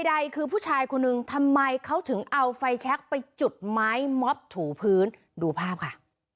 ใดคือผู้ชายคนนึงทำไมเขาถึงเอาไฟแชคไปจุดไม้ม็อบถูพื้นดูภาพค่ะ